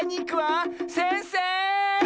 せんせい！